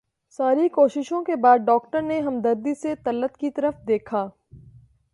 ساری کوششوں کے بعد ڈاکٹر نے ہمدردی سے طلعت کی طرف دیکھا